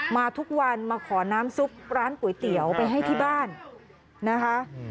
มาทุกวันมาขอน้ำซุปร้านก๋วยเตี๋ยวไปให้ที่บ้านนะคะ